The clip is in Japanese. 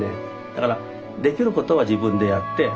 だからできることは自分でやって。